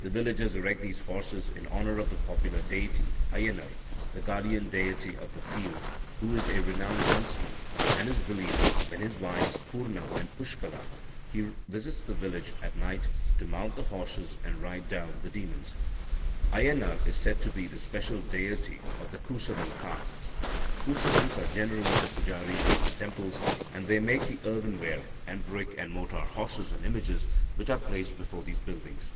The villagers erect these horses in honour of the popular deity Ayanar, the guardian deity of the fields, who is a renowned huntsman, and is believed, when, with his wives Purna and Pushkala, he visits the village at night, to mount the horses, and ride down the demons. Ayanar is said to be the special deity of the Kusavan caste. Kusavans are generally the pujaris at his temples, and they make the earthenware, and brick and mortar horses and images, which are placed before these buildings.